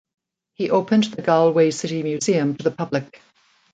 He opened the Galway City Museum to the public.